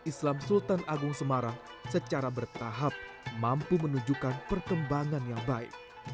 islam sultan agung semarang secara bertahap mampu menunjukkan perkembangan yang baik